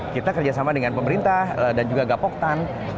kita kerjasama dengan pemerintah dan juga gapoktan